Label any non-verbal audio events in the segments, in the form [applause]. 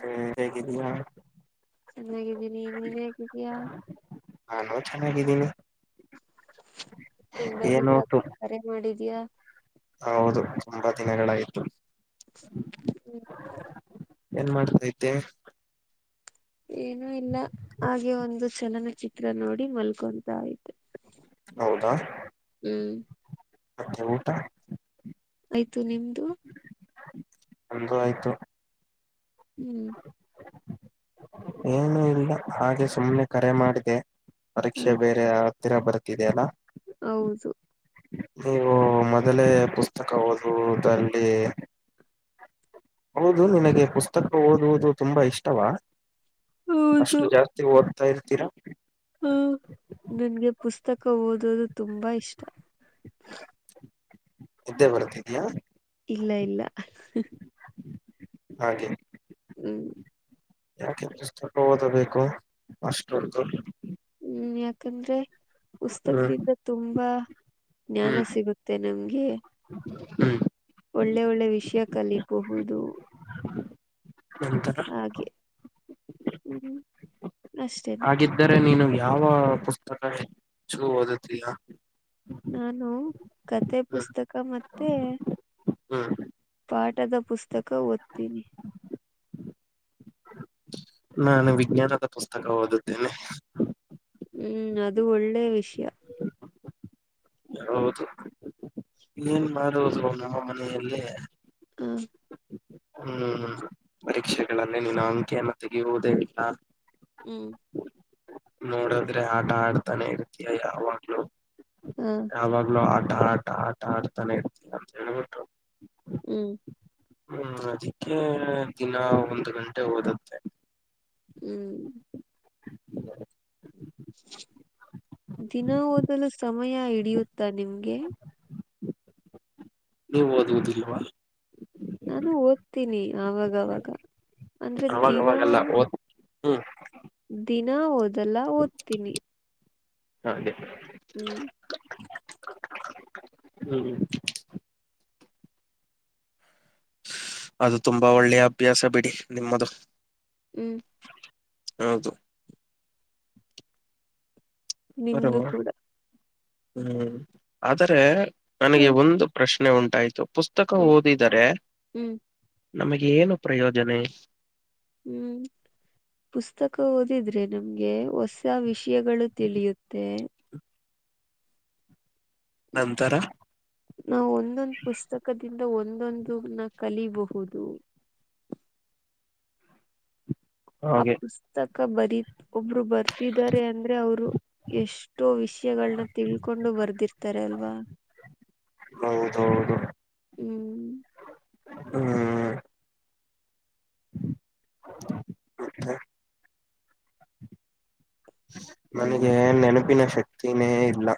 ಹ್ಮ್ ಹೇಗಿದ್ದಿಯ. ಚೆನ್ನಾಗಿದ್ದೀನಿ ನೀನ್ ಹೇಗಿದೀಯಾ ನಾನು ಚೆನ್ನಾಗಿದ್ದೀನಿ. ತುಂಬಾ ದಿನ ಏನು ತು [unintelligible] ಕರೆ ಮಾಡಿದ್ಯಾ ಹೌದು ತುಂಬಾ ದಿನಗಳಾಗಿತ್ತು. ಹ್ಮ್. ಏನ್ ಮಾಡುತ್ತಿದ್ದೆ. ಏನು ಇಲ್ಲ ಹಾಗೆ ಒಂದು ಚಲನಚಿತ್ರ ನೋಡಿ ಮಲ್ಕೊಂತಾ ಇದ್ದೆ. ಹೌದಾ. ಹ್ಮ್. ಓಕೆ ಊಟ. ಆಯ್ತು ನಿಮ್ದು. ನಮ್ದು ಆಯ್ತು. ಹ್ಮ್. ಏನು ಇಲ್ಲ ಹಾಗೆ ಸುಮ್ನೆ ಕರೆ ಮಾಡಿದೆ ಹ ಪರೀಕ್ಷೆ ಬೇರೆ ಹತ್ತಿರ ಬರ್ತಿದೆ ಅಲ್ಲ. ಹೌದು. ನೀವು ಮೊದಲೇ ಪುಸ್ತಕ ಓದುವುದಲ್ಲಿ ಹೌದು ನಿನಗೆ ಪುಸ್ತಕ ಓದುವುದು ತುಂಬಾ ಇಷ್ಟವಾ ಹೌದು ಅಷ್ಟು ಜಾಸ್ ತಿ ಓದ್ತಾ ಇರ್ತೀರಾ. ಹ್ಮ್ ನನ್ಗೆ ಪುಸ್ತಕ ಓದೋದು ತುಂಬಾ ಇಷ್ಟ. ನಿದ್ದೆ ಬರ್ತಿದಿಯಾ. ಇಲ್ಲ ಇಲ್ಲ ಹಂಗೆ ಹ್ಮ್. ಯಾಕೆ ಪುಸ್ತಕ ಓದಬೇಕು ಅಷ್ಟೊತ್ತು. ಹ್ಮ್ ಯಾಕಂದ್ರೆ ಹ್ಮ್ ಪುಸ್ತಕದಿಂದ ತುಂಬಾ ಹ್ಮ್ ಜ್ಞಾನ ಸಿಗುತ್ತೆ ನಮ್ಗೆ. ಹ್ಮ್ ಒಳ್ಳೆ ಒಳ್ಳೆ ವಿಷಯ ಕಲಿಬಹುದು. ನಂತರ ಹಾಗೆ ಹ್ಮ್ ಅಷ್ಟೇ. ಗಿದ್ದರೆ ನೀನು ಯಾವ ಪುಸ್ತಕ ಹೆಚ್ಚು ಓದುತ್ತಿಯಾ. ನಾನು ಕತೆೆ ಪುಸ್ತಕ ಮತ್ತೆ ಹ್ಮ್ ಪಾಠದ ಪುಸ್ತಕ ಓದ್ತೀನಿ. ನಾನು ವಿಜ್ಞಾನದ ಪುಸ್ತಕ ಓದುತ್ತೇನೆ. ಹ್ಮ್ ಅದು ಒಳ್ಳೆ ವಿಷಯ. ಹೌದು ಏನ್ ಮಾಡುವುದು ನಮ್ಮ ಮನಲ್ಲ. ಹ್ಮ್. ಹ್ಮ್ ಪರೀಕ್ಷೆಗಳನ್ನೇ ನೀನು ಅಂಕಿಯನ್ನು ತೆಗೆಯುವುದೇ ಇಲ್ಲಾ. ಹ್ಮ್ ನೋಡದ್ರೆ ಆಟ ಆಡ್ತಾನೆ ಇರ್ತಯ ಯಾವಾಗಲೂ. ಹ್ಮ ಯಾವಾಗ್ಲೂ ಆಟ ಆಟ ಆಟ ಆಡ್ತಾನೆ ಇರ್ತಯ ಅಂತ ಹೇಳ್ಬಿಟ್ಟು.. ಹ್ಮ್ ಹ್ಮ್ ಅದಕ್ಕೆ ದಿನ ಒಂದು ಗಂಟೆ ಓದುತ್ತೆ. ಹ್ಮ್ ದಿನ ಓದಲು ಸಮಯ ಹಿಡಿಯುತ್ತಾ ನಿಮ್ಗೆ. ನೀವು ಓದುವುದಿಲ್ವಾ. ನಾನು ಓದ್ತೀನಿ ಆವಾಗವಾಗ ಅಂದ್ರೆ ದಿನಾ. ಅವಾಗವಾಗೆಲ್ಲ ಓದ್ ಹ್ಮ್. ದಿನ ಓದಲ್ಲ ಓದ್ತೀನಿ. ಹಾಗೆ ಹ್ಮ್ ಹ್ಮ್ ಹ್ಮ ಅದು ತುಂಬಾ ಒಳ್ಳೆಯ ಅಭ್ಯಾಸ ಬಿಡಿ ನಿಮ್ಮದು. ಹ್ಞೂ ಹೌದು ಬರ್ ನಿಮ್ದು ಕೂಡ ಹ್ಮ್ ಆದರೆ ಹ ನನಗೆ ಒಂದು. ಪ್ರಶ್ನೆ ಉಂಟಾಯ್ತು ಪುಸ್ತಕ ಹ್ಮ್ ಓದಿದರೆ ಹ್ಮ್ ನಮಗೆ ಏನು ಪ್ರಯೋಜನೆ? ಹ್ಮ್ ಪುಸ್ತಕ ಓದಿದ್ರೆ ನಮ್ಗೆ ಹೊಸ ವಿಷಯಗಳು ತಿಳಿಯುತ್ತೆ. ನಂತರ ನಾವು ಒಂದೊಂದು ಪುಸ್ತಕದಿಂದ ಒಂದೊಂದು ನ ಕಲಿಯಬಹುದು. ಆ ಹಾಗೆ ಪುಸ್ತಕ ಬರೀ ಒಬ್ರು ಬರ್ತಿದ್ದಾರೆ ಅಂದ್ರೆ ಅವರು. ಎಷ್ಟೋ ವಿಷಯಗಳನ್ನ ತಿಳ್ಕೊಂಡು ಬರ್ದಿರ್ತಾರೆ ಅಲ್ವಾ. ಹೌದೌದು ಹ್ಮ್ ಹ [unintelligible] ಹ್ಮ್ ನನಗೆ ನೆನಪಿನ ಶಕ್ತಿನೇ ಇಲ್ಲ...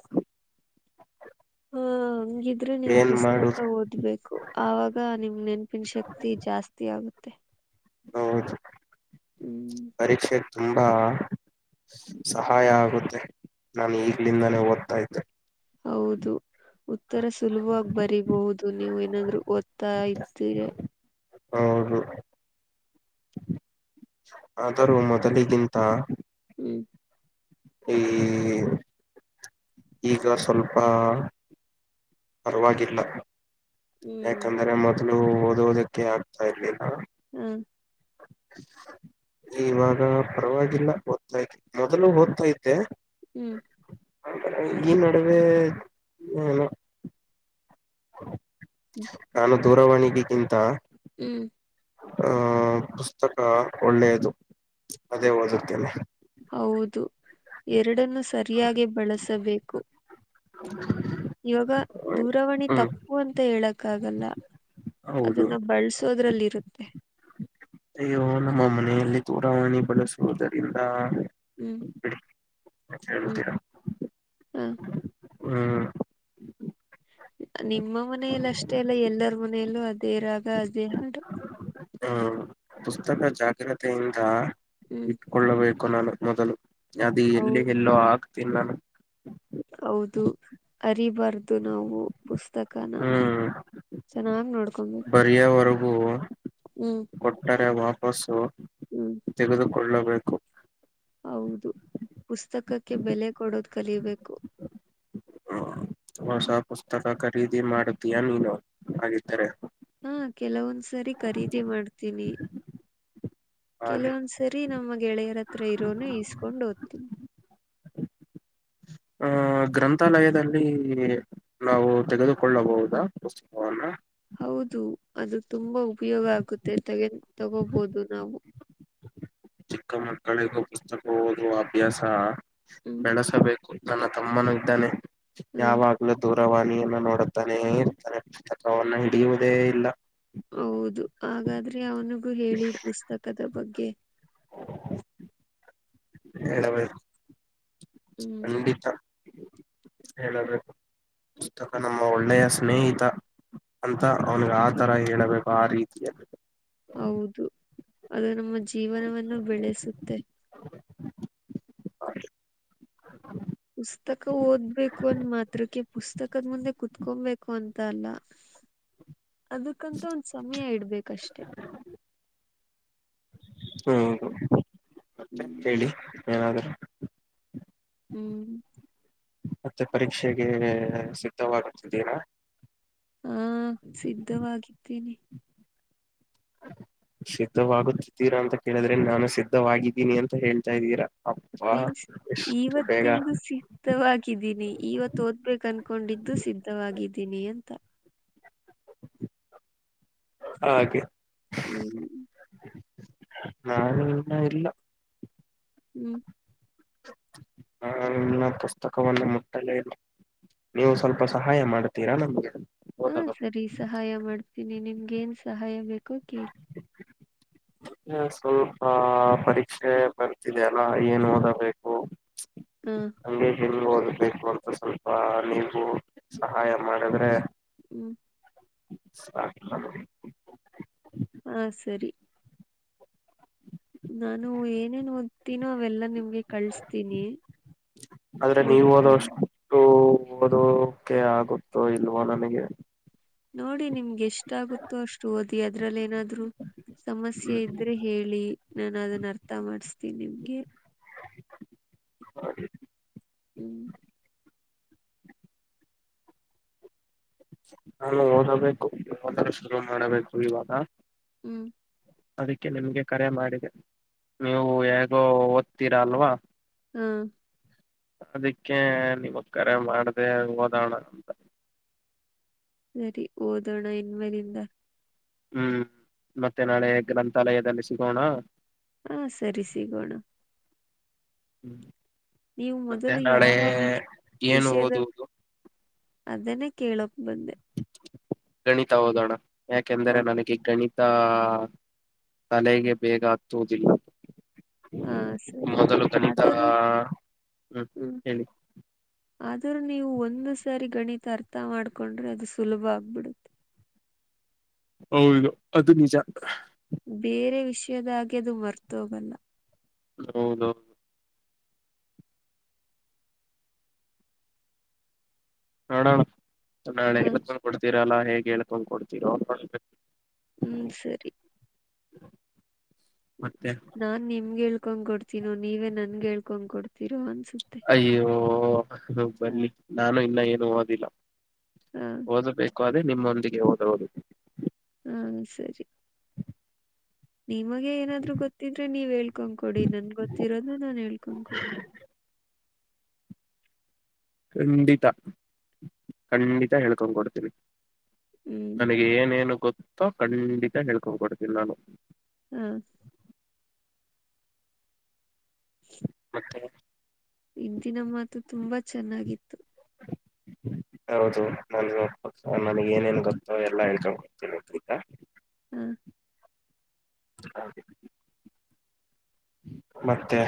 ಹಾ ಹಂಗಿದ್ರೆ ನೀವು ಏನ್ ಪುಸ್ತಕ ಮಾಡುದು ಓದ್ಬೇಕು. ಆವಾಗ ನಿಮ್ ನೆನಪಿನ ಶಕ್ತಿ ಜಾಸ್ತಿ ಆಗುತ್ತೆ. ಹೌದು ಹ ಪರೀಕ್ಷೆ ತುಂಬಾ. ಸಹಾಯ ಆಗುತ್ತೆ ನಾನು ಈಗ್ಲಿಂದಾನೇ ಓದ್ತಾ ಇದ್ದೆ. ಹೌದು ಉತ್ತರ ಸುಲಭವಾಗಿ ಬರಿಬಹುದು ನೀವು ಏನಂದ್ರು ಓದ್ತಾ ಇದ್ದೀರೆ. ಹೌದು. ಆದರೂ ಮೊದಲಿಗಿಂತ. ಹ್ಞೂ [unintelligible] ಈಗ ಸ್ವಲ್ಪ ಪರವಾಗಿಲ್ಲ ಹ್ಮ್ ಯಾಕಂದ್ರೆ ಮೊದಲು ಓದೋದಕ್ಕೆ ಆಗ್ತಾ ಇರ್ಲಿಲ್ಲ. ಹ್ಮ್ [unintelligible] ಇವಾಗ ಪರವಾಗಿಲ್ಲ ಓದ್ತಾತಿ ಮೊದಲು ಓದ್ತಾದ್ದೆ. ಹ್ಮ್ ಈ ನಡುವೆ [unintelligible] ನಾನು ದೂರವಾಣಿಗೆಗಿಂತ ಹ್ಮ್ [unintelligible] ಪುಸ್ತಕ ಒಳ್ಳೆಯದು ಅದೇ ಹ- ಓದುತ್ತೆನೆ. ಹೌದು ಎರಡನ್ನು ಸರಿಯಾಗಿ ಬಳಸಬೇಕು. ಇವಾಗ ದೂರವಾಣಿ ಹ್ಮ್ ತಪ್ಪ್ [unintelligible] ಅಂತ ಹೇಳಕ್ಕ ಆಗಲ್ಲ ಹೌದು ಅದನ್ನ ಬಳ್ಸೋದ್ರಲ್ಲಿ ಇರುತ್ ಅಯ್ಯೋ ನಮ್ಮ ಮನೆಯಲ್ಲಿ ದೂರವಾಣಿ ಬಳಸುವುದರಿಂದ ಹ್ಮ್ ಹ್ಮ್ ಹ [unintelligible] ನಿಮ್ಮ ಮನೇಯಲ್ಲಿ ಅಷ್ಟೇ ಅಲ್ಲ ಎಲ್ಲರ ಮನೆಯಲ್ಲೂ ಅದೇ ರಾಗ ಅದೇ. [unintelligible] ಹ ಪುಸ್ತಕ ಜಾಗ್ರತೆಯಿಂದ ಹ್ಮ್ ಇಟ್ಕೊಳ್ಳಬೇಕು ನಾನು ಮೊದಲು. ಅದು ಹೌದು ಎಲ್ಲಿಗೆಲ್ಲೋ ಆಗ್ತಿನ್. [unintelligible] ಹೌದು ಅರಿಬಾರ್ದು ನಾವು ಪುಸ್ತಕನ. ಹ್ಮ್ ಚೆನ್ನಾಗ್ ನೋಡ್ಕೊಬೇಕು ಬರೆಯವರೆಗೂ ಹ್ಮ್ ಕೊಟ್ಟರೆ [unintelligible] [unintelligible] ಹ್ಮ್ ತೆಗೆದುಕೊಳ್ಳಬೇಕು. ಹೌದು ಪುಸ್ತಕಕ್ಕೆ ಬೆಲೆ ಕೊಡೋದು ಕಲಿಬೇಕು. ಹ್ಮ ಹೊಸ ಪುಸ್ತಕ ಖರೀದಿ ಮಾಡುತೀಯಾ ನೀನು ಹಾಗಿದ್ದರೆ. ಹಾ ಕೆಲವೊಂದ್ಸರಿ ಖರೀದಿ ಮಾಡ್ತೀನಿ. ಹಾಗೆ ಕೆಲವೊಂದ್ಸರಿ ನಮ್ಮ ಗೆಳೆಯರ ಹತ್ರ ಇರೋನು ಈಸ್ಕೊಂಡ್ ಓದ್ತೀನಿ. [inaudible] ಆ ಗ್ರಂಥಾಲಯದಲ್ಲಿ ನಾವು ತೆಗೆದುಕೊಳ್ಳಬಹುದಾ ಪುಸ್ತಕವನ್ನ. ಹೌದು ಅದು ತುಂಬಾ ಉಪಯೋಗ ಆಗುತ್ತೆ [unintelligible] ತಗೋಬೋದು ನಾವು. ಚಿಕ್ಕ ಮಕ್ಕಳಿಗೂ ಪುಸ್ತಕ ಓದುವ ಅಭ್ಯಾಸ ಹ್ಮ್ ಬೆಳೆಸಬೇಕು. ನನ್ನ ತಮ್ಮನು ಇದ್ದಾನೆ ಹ ಯಾವಾಗ್ [unintelligible] ದೂರವಾಣಿಯನ್ನ ನೋಡುತ್ತಾನೇ ಇರ್ತಾನೆ ಪುಸ್ತಕವನ್ನ ಹಿಡಿಯುವುದೇ ಇಲ್ಲ. ಹೌದು ಹಾಗಾದ್ರೆ ಅವನಿಗೂ ಹೇಳಿ ಪುಸ್ತಕದ ಬಗ್ಗೆ. [unintelligible] ಹೇಳಬೇಕು ಹ್ಮ್ ಖಂಡಿತ. ಹೇಳಬೇಕು ಪುಸ್ತಕ ನಮ್ಮ ಒಳ್ಳೆಯ ಸ್ನೇಹಿತ. ಅಂತ ಅವನ್ಗೆ ಆ ತರ ಹೇಳೇಬೇಕು ಆ ರೀತಿ. ಹೌದು ಅದು ನಮ್ಮ ಜೀವನವನ್ನು ಬೆಳೆಸುತ್ತೆ. [unintelligible] ಪುಸ್ತಕ ಓದ್ಬೇಕು ಅಂದ ಮಾತ್ರಕ್ಕೆ ಪುಸ್ತಕದ ಮುಂದೆ ಕುತ್ಕೊಂಬೇಕ್ [unintelligible] ಅಲ್ಲ ಅದಕ್ಕಂತ ಒಂದ ಸಮಯ ಇಡ್ಬೇಕಷ್ಟೇ. ಹ್ಮ ಹ್ಮ್ ಮತ್ತೆ ಹ್ಮ್ ಹೇಳಿ ಏನಾದ್ರು. ಹ್ಮ್ ಮತ್ತೆ ಪರೀಕ್ಷೆಗೆ ಸಿದ್ಧವಾಗುತ್ತಿದ್ದೀರಾ. ಹಾ ಸಿದ್ಧವಾಗಿದ್ದೀನಿ. ಸಿದ್ಧವಾಗುತ್ತಿದ್ದೀರಾ ಅಂತ ಕೇಳಿದ್ರೆ ನಾನು ಸಿದ್ಧವಾಗಿದ್ದೀನಿ ಅಂತ ಹೇಳ್ತಾ ಇದ್ದೀರಾ. ಅಪ್ಪಾ ಮೀನ್ಸ್ ಎಷ್ಟು ಬೇಗ ಇವತ್ತಿಂದು ಸಿ ದ್ಧವಾಗಿದ್ದೀನಿ ಇವತ್ತು ಓದ್ಬೇಕು ಅನ್ಕೊಂಡಿದ್ದು ಸಿದ್ಧವಾಗಿದ್ದೀನಿ ಅಂತ. ಹಾಗೆ. ಹ್ಮ್ ನಾನು ಇನ್ನ ಇಲ್ಲ. ಹ್ಮ್ ಹ ನಾ ಪುಸ್ತಕವನ್ನು ಮುಟ್ಟಲೇ ಇಲ್ಲ. ನೀವು ಸ್ವಲ್ಪ ಸಹಾಯ ಮಾಡ್ತೀರಾ ನಮ್ಗೆ ಹಾ ಒದವ್ ಸರಿ ಸಹಾಯ ಮಾಡ್ತೀನಿ ನಿಮ್ಗೆ ಏನ್ ಸಹಾಯ ಬೇಕೋ ಕೇಳಿ. ಇವಾಗ ಸ್ವಲ್ಪ ಪರೀಕ್ಷೆ ಬರ್ತಿದೆ ಅಲ್ಲ ಏನ್ ಓದಬೇಕು. ಹ್ಮ್ ಹಂಗೆ ಹೆಂಗ್ ಓದ್ಬೇಕು ಅಂತ ಸ್ವಲ್ಪ ನೀವು ಸಹಾಯ ಮಾಡಿದ್ರೆ ಹ್ಮ್ [unintelligible] ಹಾ ಸರಿ. ನಾನು ಏನೇನ್ ಓದ್ತೀನೋ ಅವೆಲ್ಲಾ ನಿಮ್ಗೆ ಕಳ್ಸ್ತೀನಿ. ಆದ್ರೆ ನೀವು ಓದ್ಕೊಳ್ಳಿ ಓದಷ್ಟು ಓದೋಕೆ ಆಗುತ್ತೋ ಇಲ್ವೋ ನನಗೆ. ನೋಡಿ ನಿಮ್ಗೆ ಎಷ್ಟ ಆಗುತ್ತೋ ಅಷ್ಟು ಓದಿ ಅದ್ರಲ್ಲಿ ಏನಾದ್ರು ಸಮಸ್ಯೆ ಇದ್ರೆ ಹೇ ಳಿ ನಾನು ಅದನ್ನ ಅರ್ಥ ಮಾಡ್ಸಿತಿನಿ ನಿಮ್ಗೆ. [unintelligible] ಹ್ಞೂ ನಾನು ಓದಬೇಕು ಓದೋದು ಶುರು ಮಾಡಬೇಕು ಇವಾಗ. ಹ್ಮ್ ಅದಕ್ಕೆ ನಿಮ್ಗೆ ಕರೆ ಮಾಡಿದೆ. ನೀವು ಯಗೋ ಓದ್ತೀರಾ ಅಲ್ವಾ. ಹ್ಮ ಅದಕ್ಕೆ ನಿಮಗೆ ಕರೆ ಮಾಡ್ದೇ ಓದೋಣ ಅಂತ. ಸರಿ ಓದೋಣ ಇನ್ಮೇಲಿಂದ. ಹ್ಮ್ ಮತ್ತೆ ನಾಳೆ ಗ್ರಂಥಾಲಯದಲ್ಲಿ ಸಿಗೋಣ. ಹಾ ಸರಿ ಸಿಗೋಣ. ಹ್ಞೂ ನೀವು ಮೊದಲು ಯಾವ ವಿ ಏನು ವಿಷಯದ ಓದುವುದು ಅದನ್ನೇ ಕೇಳೋಕ್ಕ ಬಂದೆ. ಗಣಿತ ಓದೋಣ ಯಾಕೆಂದ್ರೆ ಹಾ ನನಗೆ ಗಣಿ ತ ತಲೆಗೆ ಬೇಗ ಹತ್ತುವುದಿಲ್ಲ. ಹಾ ಸರಿ ಮೊದಲು ಗಣಿತ ಆದರೂ ಹ್ಮ್ ಹೇಳಿ. ಆದ್ರೂ ನೀವು ಒಂದು ಸಾರಿ ಗಣಿತ ಅರ್ಥ ಮಾಡ್ಕೊಂಡ್ರೆ ಅದು ಸುಲಭ ಆಗ್ಬಿಡುತ್ತೆ. ಹೌದು ಅದು ನಿಜ. ಬೇರೆ ವಿಷಯದಾಗೆ ಅದು ಮರ್ತು ಹೋಗಲ್ಲ. ಹೌದೋ. ನೋಡೋಣ ನಾಳೆ ಹ ಹೇಳ್ಕೊಂಡ ಕೊಡ್ತೀರಲ್ಲಾ ಹೇಗೆ ಹೇಳ್ಕೊಂಡ್ ಕೊಡ್ತೀರೋ ನೋಡೋಣ. ಹ್ಮ್ ಸರಿ. ಮತ್ಯ. ನಾನ್ ನಿಮ್ಗೆ ಹೇಳ್ಕೊಂಡ್ ಕೊಡ್ತೀನೋ ನೀವೇ ನನ್ಗೆ ಹೇಳ್ಕೊಂಡ್ ಕೊಡ್ತೀರೋ ಅನ್ಸುತ್ತ. ಅಯ್ಯೋ ಬನ್ನಿ. ನಾನು ಇನ್ನ ಏನು ಓದಿಲ್ಲಾ ಹಾ ಓದಬೇಕು ಅದೇ ನಿಮ್ಮೊಂದಿಗೆ ಓದ ಓದ ಹಾ ಸರಿ ನಿಮಗೆ ಏನಾದ್ರು ಗೊತ್ತಿದ್ರೆ ನೀವ್ ಹೇಳ್ಕೊಂಡ್ ಕೊಡಿ ನನ್ ಗೊತ್ತಿರೋದೆ ನಾನ್ ಹೇಳ್ಕೊಂಡ್ ಕೊಡತನಿ. ಖಂಡಿತಾ ಖಂಡಿತಾ ಹೇಳ್ಕೊಂಡ್ ಕೊಡ್ತೀನಿ. ಹ್ಮ್ ನನಗೆ ಏನೇನು ಗೊತ್ತೋ ಖಂಡಿತ ಹೇಳ್ಕೊಡ್ತೀನಿ ನಾನು ಹುಂ [inaudible] [unintelligible] ಇಂದಿನ ಮಾತು ತುಂಬಾ ಚೆನ್ನಾಗಿತ್ತು. ಹೌದು ನನ್ ನನಗ್ ಏನೇನ್ ಗೊತ್ತೋ ಎಲ್ಲಾ ಹೇಳ್ಕೊಡತೀನಿ. ಹುಂ [inaudible] ಮತ್ತೆ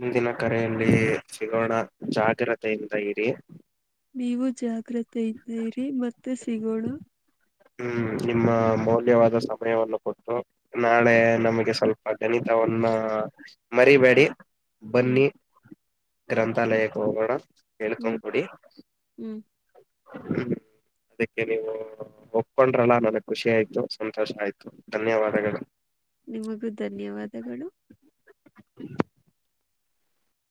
ಮುಂದಿನ ಕರೆಯಲ್ಲಿ ಸಿಗೋಣ ಜಾಗ್ರತೆಯಿಂದ ಇರಿ ನೀವು ಜಾಗ್ರತೆಯಿಂದ ಇರಿ ಮತ್ತೆ ಸಿಗೋಣ. ಹುಂ ನಿಮ್ಮ ಮೌಲ್ಯವಾದ ಸಮಯವನ್ನು ಕೊಟ್ಟು ನಾಳೆ ನಮಗೆ ಸ್ವಲ್ಪ ಗಣಿತವನ್ನ ಮರಿಬೇಡಿ. ಹ್ಮ್ ಬನ್ನಿ ಗ್ರಂಥಾಲಯಕ್ಕೆ ಹೋಗೋಣ. ಹೇಳ್ಕೊಂಡ್ ಹ್ಮ್ ಕೊಡಿ ಹ್ಮ್ ಅದಕ್ಕೆ ನೀವು ಕೊಂಡ್ರಲ್ಲಾ ನನಗ್ ಖುಷಿ ಆಯ್ತು ಸಂತೋಷ ಆಯ್ತು ಧನ್ಯವಾದಗಳು. ನಿಮಗೂ ಧನ್ಯವಾದಗಳು. [unintelligible]